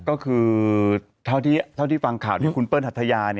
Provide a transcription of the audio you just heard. ก็คือเท่าที่ฟังข่าวที่คุณเปิ้หัทยา